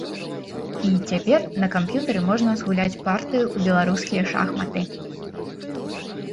І цяпер на камп'ютары можна згуляць партыю ў беларускія шахматы.